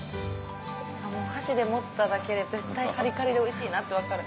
箸で持っただけで絶対カリカリでおいしいなって分かる。